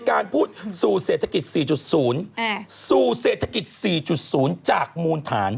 การพูดสู่เศรษฐกิจ๔๐สู่เศรษฐกิจ๔๐จากมูลฐาน